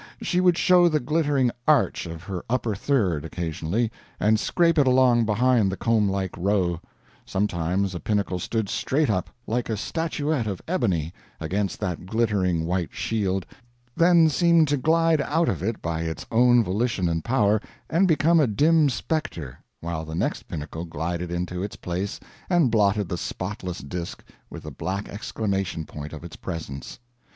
She would show the glittering arch of her upper third, occasionally, and scrape it along behind the comblike row; sometimes a pinnacle stood straight up, like a statuette of ebony, against that glittering white shield, then seemed to glide out of it by its own volition and power, and become a dim specter, while the next pinnacle glided into its place and blotted the spotless disk with the black exclamation point of its presence.